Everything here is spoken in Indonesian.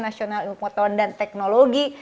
nasional ilmu pengetahuan dan teknologi